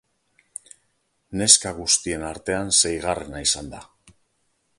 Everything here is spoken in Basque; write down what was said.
Neska guztien artean seigarrena izan da.